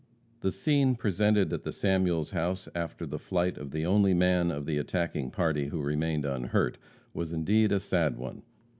The scene presented at the Samuels house, after the flight of the only man of the attacking party who remained unhurt, was indeed a sad one.